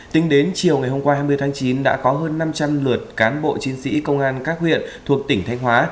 tính đến chiều ngày hôm qua hai mươi tháng chín đã có hơn năm trăm linh lượt cán bộ chiến sĩ công an các huyện thuộc tỉnh thanh hóa